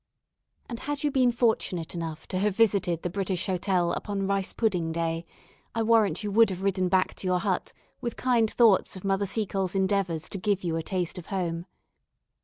And had you been fortunate enough to have visited the British Hotel upon rice pudding day, I warrant you would have ridden back to your hut with kind thoughts of Mother Seacole's endeavours to give you a taste of home.